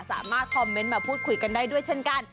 สามารถคอมเมนต์มาพูดคุยกันได้ด้วยเช่นกัน